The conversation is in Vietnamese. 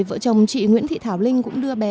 vợ chồng chị nguyễn thị thảo linh cũng đưa bé